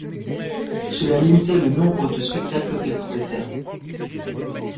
Cela limitait le nombre de spectacles qu'elle pouvait faire.